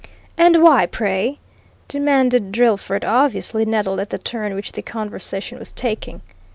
"And why, pray?" demanded Drillford, obviously nettled at the turn which the conversation was taking.